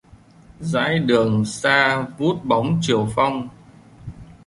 Dãi đường xa vút bóng chiều phong